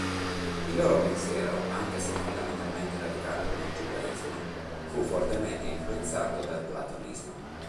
Il loro pensiero, anche se fondamentalmente radicato nel Giudaismo, fu fortemente influenzato dal Platonismo.